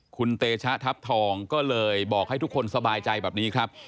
คุณเตชะทัพทองก็เลยบอกให้ทุกคนสบายใจแบบนี้ครับ